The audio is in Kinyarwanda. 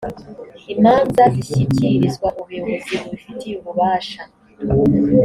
imanza zishyikirizwa ubuyobozi bubifitiye ububasha